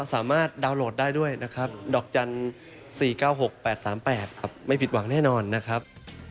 ดาวน์โหลดได้ด้วยนะครับดอกจันทร์๔๙๖๘๓๘ครับไม่ผิดหวังแน่นอนนะครับ